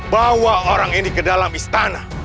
bawa orang ini ke dalam istana